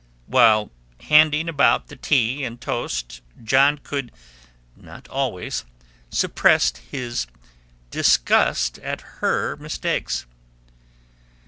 While handing about the tea and toast, John could not always suppress his disgust at her mistakes.